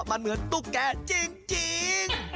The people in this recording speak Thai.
มันเหมือนตุ๊กแกจริง